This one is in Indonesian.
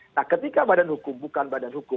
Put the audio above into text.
nah ketika badan hukum bukan badan hukum